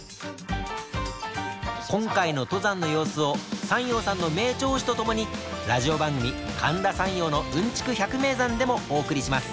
今回の登山の様子を山陽さんの名調子とともにラジオ番組「神田山陽のうんちく百迷山」でもお送りします。